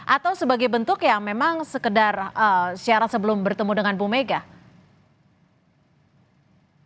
atau sebagai bentuk yang memang sekedar syarat sebelum bertemu dengan bu mega